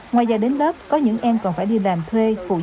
ngoài ra đến lớp có những em còn phải đi làm thuê phụ giúp em